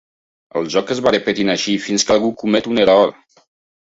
El joc es va repetint així fins que algú comet un error.